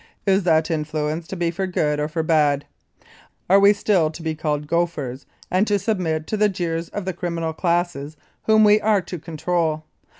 Is that influence to be for good or for bad ? Are we still to be called ' gophers ' and to sub mit to the jeers of the criminal classes whom we are to control